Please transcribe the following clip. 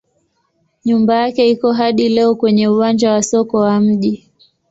Nyumba yake iko hadi leo kwenye uwanja wa soko wa mji.